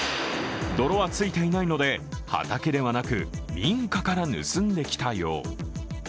泥はついていないので、畑ではなく民家から盗んできたよう。